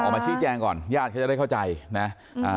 ออกมาชี้แจงก่อนญาติเขาจะได้เข้าใจนะอ่า